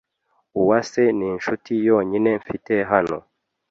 Uwase ninshuti yonyine mfite hano.